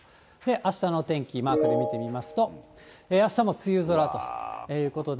あしたの天気、マークで見てみますと、あしたも梅雨空ということで。